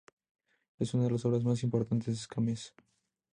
Es una de las obras más importantes de Escámez.